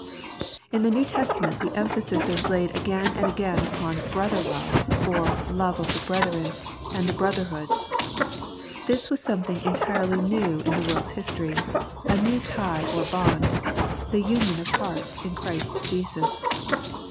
In the New Testament the emphasis is laid again and again upon brother love, or love of the brethren, and the brotherhood. This was something entirely new in the world's history — a new tie or bond, the union of hearts in Christ Jesus.